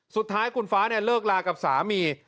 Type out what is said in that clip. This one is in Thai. สุดท้ายคุณฟ้าเนี่ยเลิกลากับสามี